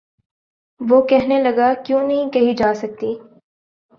وہ کہنے لگا:کیوں نہیں کہی جا سکتی؟